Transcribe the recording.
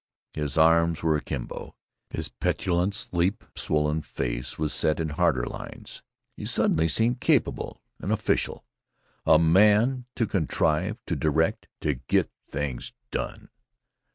His arms were akimbo. His petulant, sleep swollen face was set in harder lines. He suddenly seemed capable, an official, a man to contrive, to direct, to get things done.